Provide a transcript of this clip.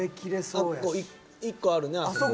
あと１個あるねあそこ。